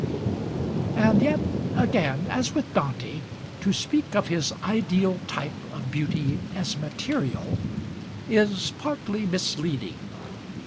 And yet, again as with Dante, to speak of his ideal type of beauty as material, is partly misleading.